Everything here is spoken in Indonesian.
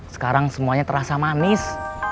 sekarang semuanya terasa manis